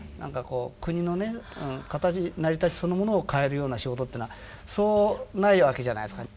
国のね形成り立ちそのものを変えるような仕事ってのはそうないわけじゃないすか。